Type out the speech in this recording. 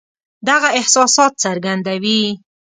دغه احساسات څرګندوي.